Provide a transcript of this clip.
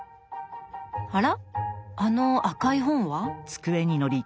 あらあの赤い本は？